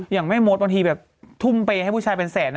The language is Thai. อย่างแม่มดบางทีแบบทุ่มเปย์ให้ผู้ชายเป็นแสน